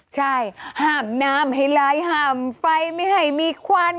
ใช่ห้ามน้ำให้ลายห้ามไฟไม่ให้มีควัน